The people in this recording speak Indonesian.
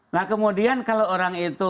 nah kemudian kalau orang itu